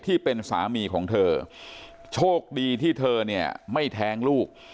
ที่เป็นสามีของเธอโชคดีที่เธอเนี่ยไม่แท้งลูก